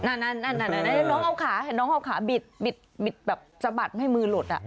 นั่นน้องเอาขาบิดแบบจบัดให้มือหลด